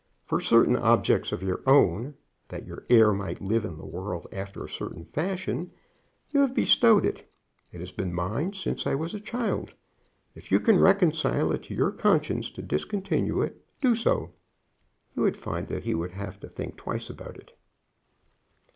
For certain objects of your own, that your heir might live in the world after a certain fashion, you have bestowed it. It has been mine since I was a child. If you can reconcile it to your conscience to discontinue it, do so.' You would find that he would have to think twice about it."